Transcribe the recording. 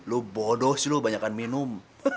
lu bodoh sih lu banyakkan minum